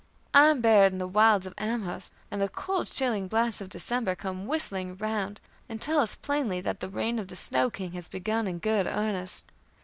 I am buried in the wilds of Amherst, and the cold, chilling blasts of December come whistling around, and tell us plainly that the reign of the snow king has begun in good earnest.